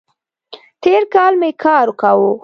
تېر کال می کار کاوو